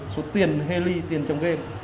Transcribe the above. số tiền hê ly tiền trong game